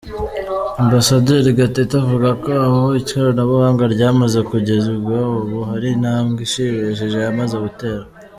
Ambasaderi Gatete avuga ko aho ikoranabuhanga ryamaze kugezwa, ubu hari intambwe ishimishije yamaze guterwa.